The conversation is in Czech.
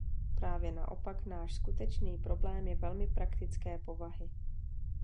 Právě naopak, náš skutečný problém je velmi praktické povahy.